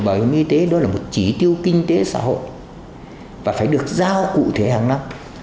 bảo hiểm y tế đó là một chỉ tiêu kinh tế xã hội và phải được giao cụ thể hàng năm